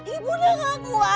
ibunya gak kuat pak